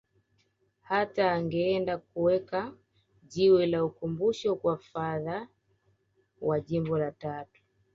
Hata angeenda kuweka jiwe la ukumbusho kwa Fuhrer wa Jimbo la Tatu